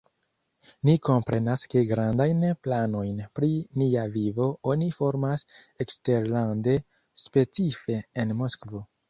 Ni komprenas ke grandajn planojn pri nia vivo oni formas eksterlande, specife en Moskvo.